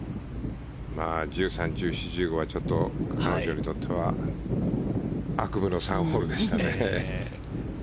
１３、１４、１５はちょっと彼女にとっては悪夢の３ホールでしたね。